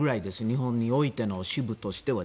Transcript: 日本においての支部としては。